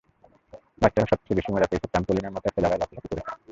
বাচ্চারা সবচেয়ে বেশি মজা পেয়েছে ট্রামপলিনের মতো একটি জায়গায় লাফালাফি করে।